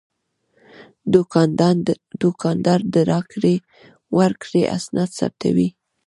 دوکاندار د راکړې ورکړې اسناد ثبتوي.